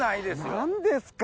何ですか！